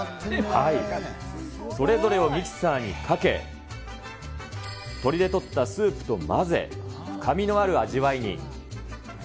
それぞれをミキサーにかけ、鶏でとったスープと混ぜ、深みのある味わいに。